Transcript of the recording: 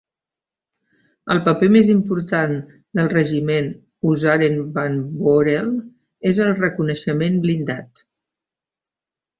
El paper més important del regiment Huzaren van Boreel és el reconeixement blindat.